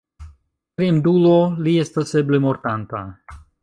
Fremdulo, li estas eble mortanta.